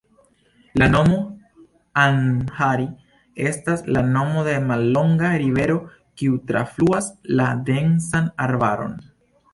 La nomo "Andhari" estas la nomo de mallonga rivero kiu trafluas la densan arbaron.